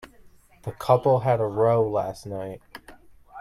The couple had a row last night.